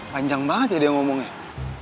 panjang banget ya dia ngomongnya